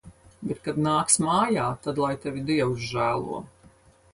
Bet kad nāks mājā, tad lai tevi Dievs žēlo.